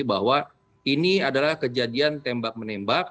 bahwa ini adalah kejadian tembak menembak